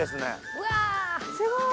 うわすごい。